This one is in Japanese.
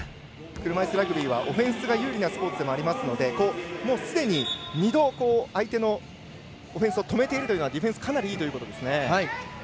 車いすラグビーはオフェンスが有利なスポーツでもありますのですでに２度相手のオフェンスを止めているというのがディフェンスかなりいいということですね。